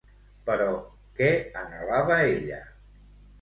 Però què anhelava, ella?